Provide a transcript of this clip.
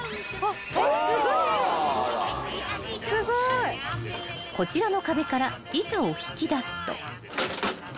［こちらの壁から板を引き出すと］